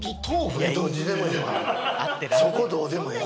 そこどうでもええ